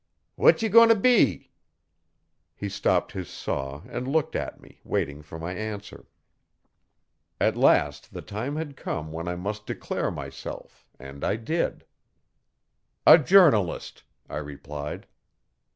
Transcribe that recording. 'What ye goin' t' be?' He stopped his saw, and looked at me, waiting for my answer. At last the time had come when I must declare myself and I did. 'A journalist,' I replied.